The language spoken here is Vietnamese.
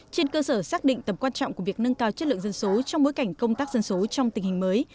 trên cơ sở xác định tầm quan trọng của việc nâng cao chất lượng dân số trong bối cảnh công tác dân số trong tình hình mới